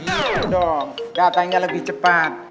iya dong datanya lebih cepat